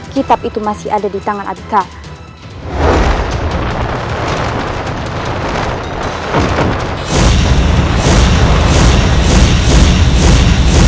kitab itu masih ada di tangan adik kakak